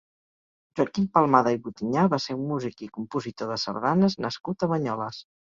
Joaquim Palmada i Butinyà va ser un músic i compositor de sardanes nascut a Banyoles.